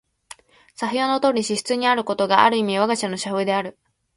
左表のとおりの支出になることが、ある意味わが社の社風である。